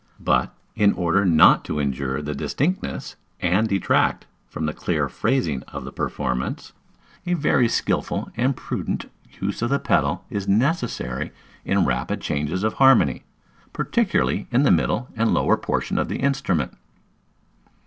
But, in order not to injure the distinctness and detract from the clear phrasing of the performance, a very skilful and prudent use of the pedal is necessary in rapid changes of harmony, particularly in the middle and lower portion of the instrument.